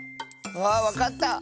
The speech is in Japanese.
あわかった！